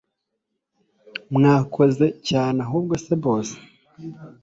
mwakoze cyane ahubwo se boss